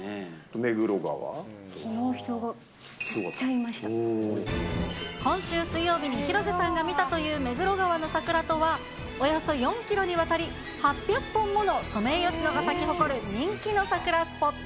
きのう、人が、めっちゃいま今週水曜日に広瀬さんが見たという目黒川の桜とは、およそ４キロにわたり、８００本ものソメイヨシノが咲き誇る人気の桜スポット。